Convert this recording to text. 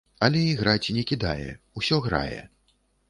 Але іграць не кідае, усё грае.